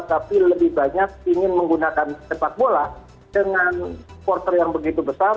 tapi lebih banyak ingin menggunakan sepak bola dengan supporter yang begitu besar